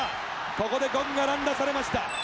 ここでゴングが乱打されました。